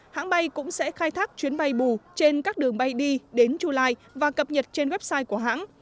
hãng bay cũng sẽ khai thác chuyến bay bù trên các đường bay đi đến chulai và cập nhật trên website của hãng